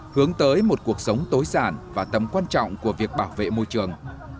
hướng tới một cuộc sống tối sản và tầm quan trọng của việc bảo vệ môi trường